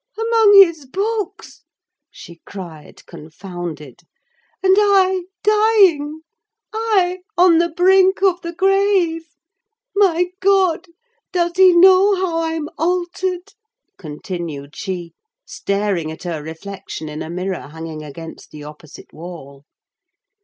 "Among his books!" she cried, confounded. "And I dying! I on the brink of the grave! My God! does he know how I'm altered?" continued she, staring at her reflection in a mirror hanging against the opposite wall.